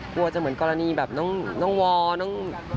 กลัวจะเหมือนกรณีแบบน้องวอลน้อง